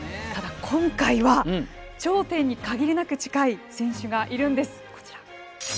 ただ今回は、頂点に限りなく近い選手がいるんです。